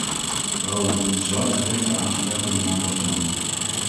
Vrouwen moeten op dezelfde rechten aanspraak kunnen maken als mannen.